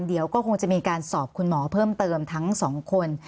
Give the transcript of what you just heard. เดี๋ยวก็คงจะมีการสอบคุณหมอเพิ่มเติมทั้งสองคน